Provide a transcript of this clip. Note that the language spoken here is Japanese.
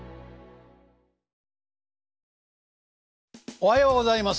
おはようございます。